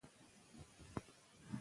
پوهه په ټولنه کې د پوهې مینه نه مړه کوي.